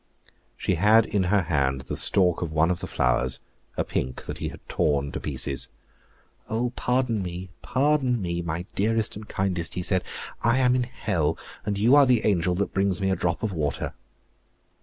She had in her hand the stalk of one of the flowers, a pink, that he had torn to pieces. "Oh, pardon me, pardon me, my dearest and kindest," he said; "I am in hell, and you are the angel that brings me a drop of water."